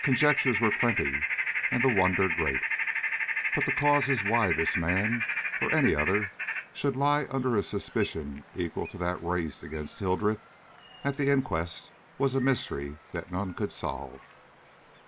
Conjectures were plenty and the wonder great, but the causes why this man, or any other, should lie under a suspicion equal to that raised against Hildreth at the inquest was a mystery that none could solve.